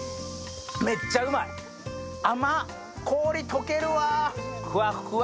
氷解けるわ、ふわっふわ。